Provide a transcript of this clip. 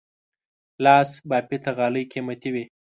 لاس بافته غالۍ قیمتي وي.